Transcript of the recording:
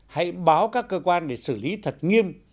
hãy báo các cơ quan để xử lý thật nghiêm